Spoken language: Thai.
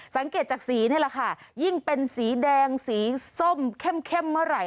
สังเกตจากสีนี่แหละค่ะยิ่งเป็นสีแดงสีส้มเข้มเมื่อไหร่